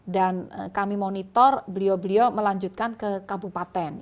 dan kami monitor beliau beliau melanjutkan ke kabupaten